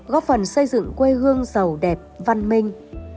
góp phần xây dựng quê hương giàu đẹp văn minh